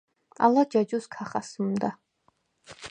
ალა ჯაჯუს ქა ხასჷმდა.